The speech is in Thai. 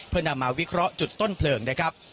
เพื่อนำมาวิเคราะห์จุดต้นเพลิงนะครับ